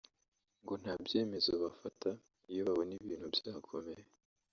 ngo nta byemezo bafata iyo babona ibintu byakomeye